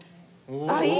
あっいい！